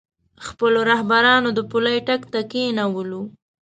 خپلو رهبرانو د پولۍ ټک ته کېنولو.